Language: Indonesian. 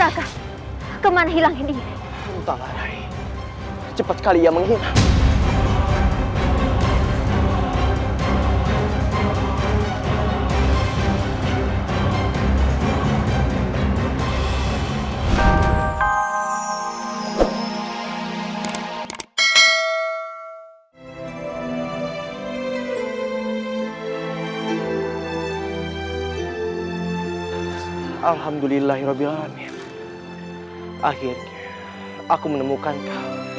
sampai jumpa di video selanjutnya